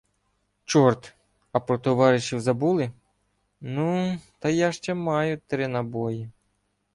— Чорт! А про товаришів — забули?! Ну, та я ще маю три набої.